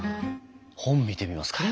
本見てみますか？